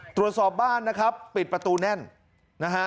ตรวจสอบบ้านนะครับปิดประตูแน่นนะฮะ